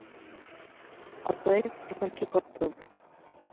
অতএব এখন কী কর্তব্য?